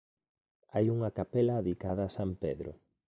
Hai unha capela adicada a San Pedro.